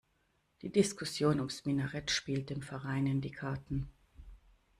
Die Diskussion ums Minarett spielt dem Verein in die Karten.